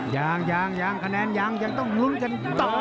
ยังยังคะแนนยังยังต้องลุ้นกันต่อ